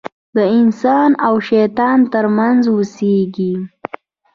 د انسان او شیطان تر منځ اوسېږم.